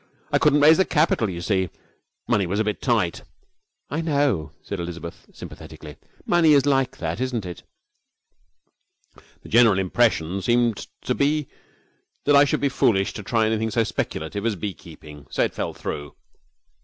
I couldn't raise the capital. You see, money was a bit tight ' 'I know,' said Elizabeth, sympathetically. 'Money is like that, isn't it?' 'The general impression seemed to be that I should be foolish to try anything so speculative as beekeeping, so it fell through.